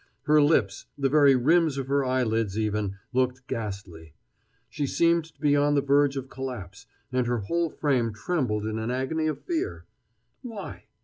Her lips, the very rims of her eyelids even, looked ghastly. She seemed to be on the verge of collapse, and her whole frame trembled in an agony of fear. Why?